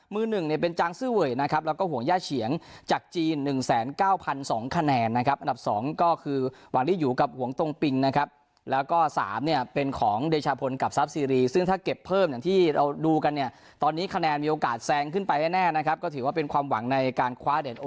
หนึ่งเนี่ยเป็นจังซื้อเวยนะครับแล้วก็ห่วงย่าเฉียงจากจีน๑๙๒คะแนนนะครับอันดับ๒ก็คือวาริอยู่กับห่วงตรงปิงนะครับแล้วก็สามเนี่ยเป็นของเดชาพลกับซับซีรีซึ่งถ้าเก็บเพิ่มอย่างที่เราดูกันเนี่ยตอนนี้คะแนนมีโอกาสแซงขึ้นไปแน่นะครับก็ถือว่าเป็นความหวังในการคว้าเด